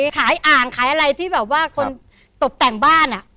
ขายอ่างขายอะไรที่แบบว่าคนตกแต่งบ้านอ่ะ